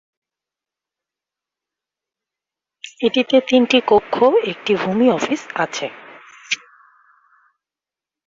এটিতে তিনটি কক্ষ, একটি ভূমি অফিস আছে।